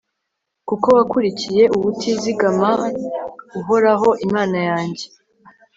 kuko wakurikiye ubutizigama uhoraho, imana yanjye